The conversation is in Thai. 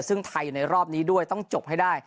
ซึ่งไทยอยู่ในรอบนี้ด้วยต้องจบให้ได้